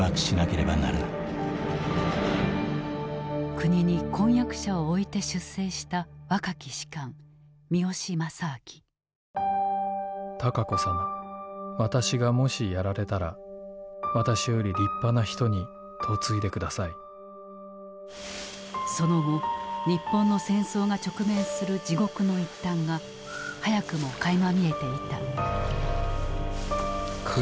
国に婚約者を置いて出征した若き士官その後日本の戦争が直面する地獄の一端が早くもかいま見えていた。